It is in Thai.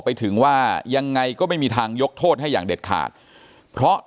ไปถึงว่ายังไงก็ไม่มีทางยกโทษให้อย่างเด็ดขาดเพราะ